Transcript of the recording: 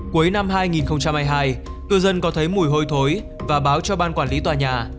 cuối năm hai nghìn hai mươi hai cư dân có thấy mùi hôi thối và báo cho ban quản lý tòa nhà